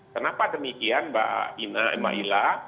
kenapa demikian mbak ina mbak ila